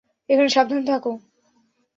এখানে সাবধানে থাক।